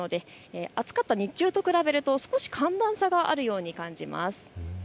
暑かった日中と比べると少し寒暖差があるように感じます。